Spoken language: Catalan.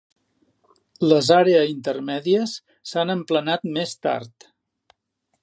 Les àrea intermèdies s'han emplenat més tard.